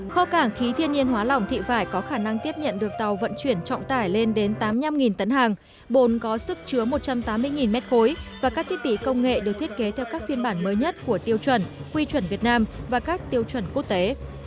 kho cảng khí thiên nhiên hóa lỏng thị vải có khả năng tiếp nhận được tàu vận chuyển trọng tải lên đến tám mươi năm tấn hàng bồn có sức chứa một trăm tám mươi mét khối và các thiết bị công nghệ được thiết kế theo các phiên bản mới nhất của tiêu chuẩn quy chuẩn việt nam và các tiêu chuẩn quốc tế